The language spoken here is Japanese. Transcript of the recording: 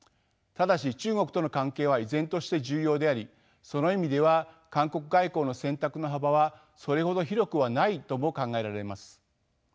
ただし中国との関係は依然として重要でありその意味では韓国外交の選択の幅はそれほど広くはないとも考えられます。